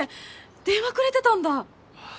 電話くれてたんだ